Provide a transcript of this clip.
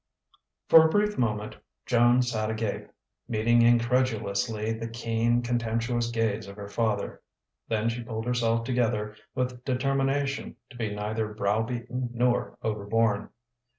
IV For a brief moment Joan sat agape, meeting incredulously the keen, contemptuous gaze of her father. Then she pulled herself together with determination to be neither browbeaten nor overborne.